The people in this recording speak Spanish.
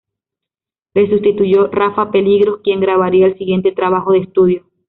Le sustituyó Rafa Peligros, quien grabaría el siguiente trabajo de estudio.